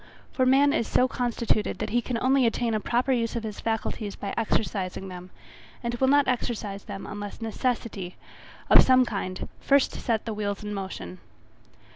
For man is so constituted that he can only attain a proper use of his faculties by exercising them, and will not exercise them unless necessity, of some kind, first set the wheels in motion.